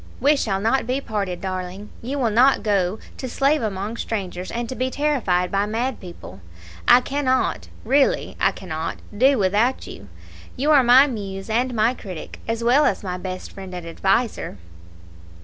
"We shall not be parted, darling; you will not go to slave among strangers and to be terrified by mad people. I cannot really, I cannot do without you you are my muse and my critic, as well as my best friend and adviser."